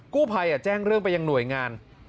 กู้ภัยแจ้งเรื่องไปยังหน่วยงาน